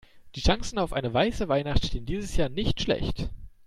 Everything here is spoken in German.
Die Chancen auf eine weiße Weihnacht stehen dieses Jahr nicht schlecht.